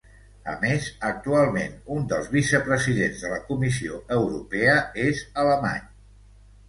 A més, actualment un dels vicepresidents de la Comissió Europea és alemany.